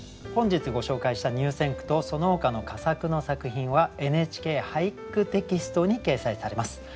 本日ご紹介した入選句とそのほかの佳作の作品は「ＮＨＫ俳句テキスト」に掲載されます。